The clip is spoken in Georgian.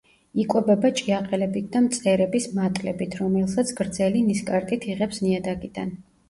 იკვებება ჭიაყელებით და მწერების მატლებით, რომელსაც გრძელი ნისკარტით იღებს ნიადაგიდან.